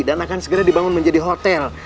dan akan segera dibangun menjadi hotel